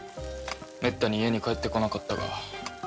めったに家に帰ってこなかったが。